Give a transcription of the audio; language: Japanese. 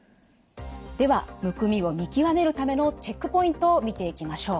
ではむくみを見極めるためのチェックポイントを見ていきましょう。